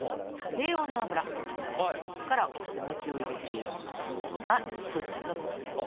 低温の油からお餅を入れておくことが１つ目のポイントです。